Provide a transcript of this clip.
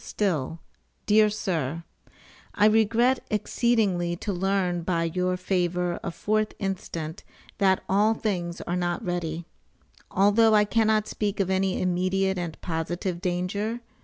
STILL, DEAR SIR: I regret exceedingly to learn by your favor of 4th instant, that all things are not ready. Although I cannot speak of any immediate and positive danger.